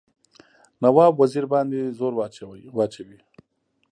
نواب وزیر باندي زور واچوي.